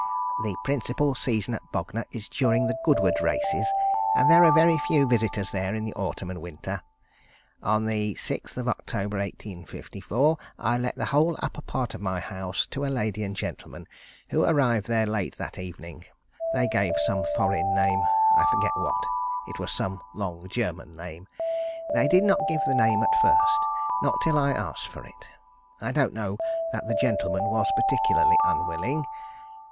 The principal season at Bognor is during the Goodwood races, and there are very few visitors there in the autumn and winter. On the 6th October, 1854, I let the whole upper part of my house to a lady and gentleman, who arrived there late that evening. They gave some foreign name; I forget what. It was some long German name. They did not give the name at first. Not till I asked for it. I don't know that the gentleman was particularly unwilling.